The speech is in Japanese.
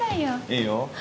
いいよ。